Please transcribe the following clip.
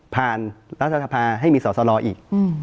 ผ่านรัฐภาพให้มีสอสลอีก